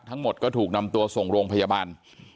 ทั้งหมดก็ถูกนำตัวส่งโรงพยาบาล